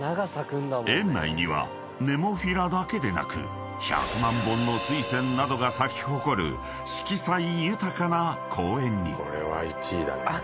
［園内にはネモフィラだけでなく１００万本の水仙などが咲き誇る色彩豊かな公園に］